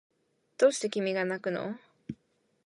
どうして君がなくの